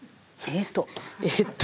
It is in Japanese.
「えっと」？